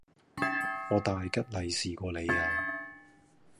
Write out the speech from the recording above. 我大吉利是過你呀!